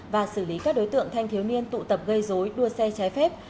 và xử lý các đối tượng thanh thiếu niên tụ tập gây dối đua xe trái phép